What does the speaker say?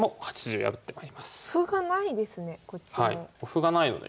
歩がないので。